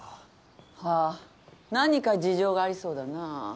はあ何か事情がありそうだなぁ。